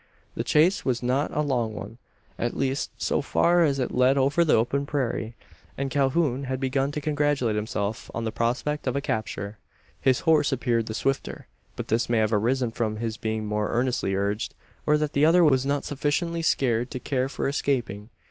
The chase was not a long one at least, so far as it led over the open prairie; and Calhoun had begun to congratulate himself on the prospect of a capture. His horse appeared the swifter; but this may have arisen from his being more earnestly urged; or that the other was not sufficiently scared to care for escaping.